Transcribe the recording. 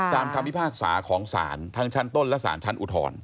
ตามคำพิพากษาของศาลทางชั้นต้นและศาลชั้นอุทร